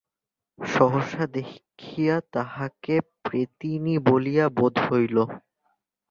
সহসা দেখিয়া তাহাকে প্রেতিনী বলিয়া বোধ হইল।